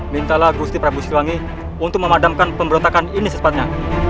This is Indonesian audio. mintalah gusti prabu situwangi untuk memadamkan pemberontakan ini secepatnya